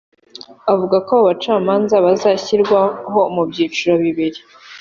Avuga ko abo bacamanza bazashyirwaho mu byiciro bibiri